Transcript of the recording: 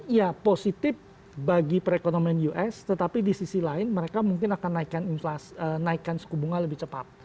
ya positif bagi perekonomian us tetapi di sisi lain mereka mungkin akan naikkan suku bunga lebih cepat